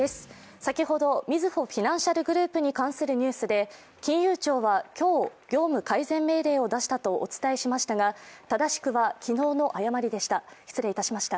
先ほど、みずほフィナンシャルグループに関するニュースで金融庁は今日、業務改善命令をお伝えしましたが、正しくは、昨日の誤りでした。